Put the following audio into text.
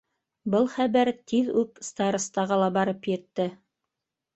Был хәбәр тиҙ үк старостаға ла барып етте.